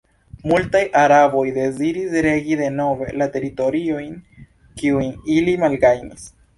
Multaj araboj deziris regi denove la teritoriojn, kiujn ili malgajnis.